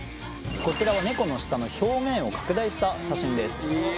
こちらはネコの舌の表面を拡大した写真です。